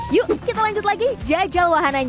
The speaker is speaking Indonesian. yuk kita lanjut lagi jajal wahananya